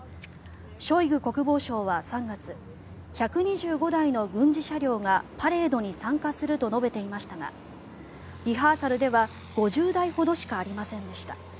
ショイグ国防相は３月１２５台の軍事車両がパレードに参加すると述べていましたがリハーサルでは５０台ほどしかありませんでした。